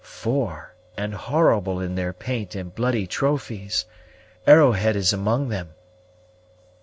"Four; and horrible in their paint and bloody trophies. Arrowhead is among them."